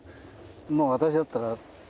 まあ私だったら。